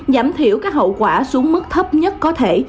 giảm thiểu các hậu quả xuống mức thấp nhất có thể